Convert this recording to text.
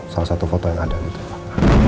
salah satu foto yang ada di depan